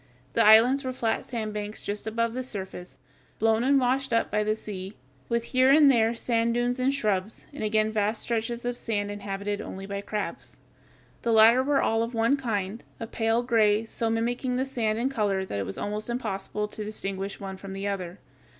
The islands were flat sand banks just above the surface, blown and washed up by the sea, with here and there sand dunes and shrubs, and again vast stretches of sand inhabited only by crabs. The latter were all of one kind, a pale gray, so mimicking the sand in color that it was almost impossible to distinguish one from the other.